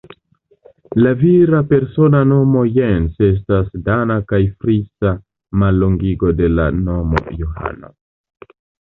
La vira persona nomo Jens estas dana kaj frisa mallongigo de la nomo Johano.